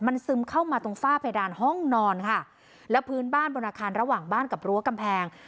มันซึมเข้ามาตรงฝ้าเพดานห้องนอนค่ะแล้วพื้นบ้านบนอาคารระหว่างบ้านกับรั้วกำแพง